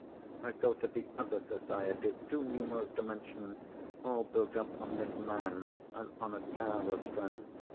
I thought of the other Societies, too numerous to mention, all built up on this man as on a tower of strength.